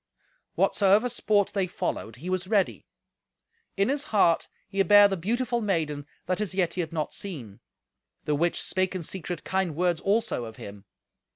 Whatsoever sport they followed, he was ready. In his heart he bare the beautiful maiden that as yet he had not seen: the which spake in secret kind words also of him.